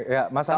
ya mas andi